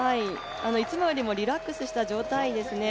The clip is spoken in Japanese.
いつもよりもリラックスした状態ですね。